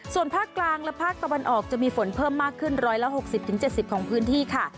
ส่วนภาคกลางและภาคตะวันออกจะมีฝนเพิ่มมากขึ้น๑๖๐๗๐ของพื้นที่ค่ะ